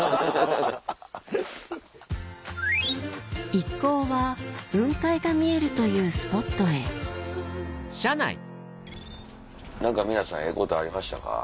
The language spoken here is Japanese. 一行は雲海が見えるというスポットへ皆さんええことありましたか？